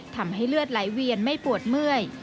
ทำให้เลือดไหลเวียนไม่ปวดเมื่อย